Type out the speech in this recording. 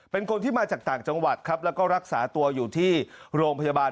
เป็นคนที่มาจากต่างจังหวัดครับแล้วก็รักษาตัวอยู่ที่โรงพยาบาล